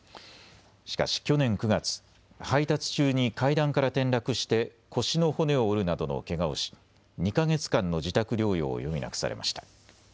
しかし去年９月、配達中に階段から転落して腰の骨を折るなどのけがをし、２か月間の自宅療養を余儀なくされました。